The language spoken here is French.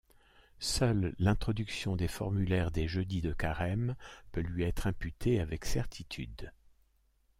Seule l'introduction des formulaires des jeudis de Carême peut lui être imputée avec certitude.